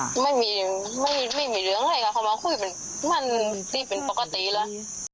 ไม่มีไม่มีเหลืองอะไรกับเข้ามาคุยมันที่เป็นปกติแล้ว